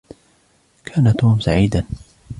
كان توم سعيدا.